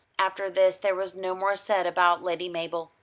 After this there was no more said about Lady Mabel.